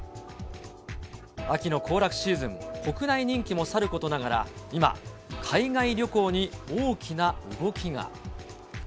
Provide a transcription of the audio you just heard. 秋の行楽シーズン、国内人気もさることながら、今、海外旅行に大きな動きが。